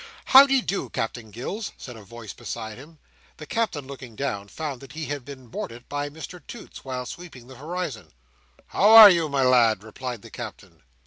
"How de do, Captain Gills?" said a voice beside him. The Captain, looking down, found that he had been boarded by Mr Toots while sweeping the horizon. "How are, you, my lad?" replied the Captain.